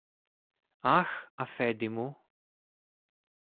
Αχ, Αφέντη μου!